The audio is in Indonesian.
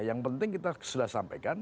yang penting kita sudah sampaikan